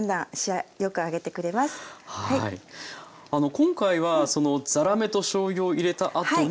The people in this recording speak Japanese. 今回はざらめとしょうゆを入れた後に。